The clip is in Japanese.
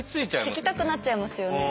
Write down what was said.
聞きたくなっちゃいますよね。